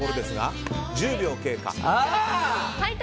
１０秒経過。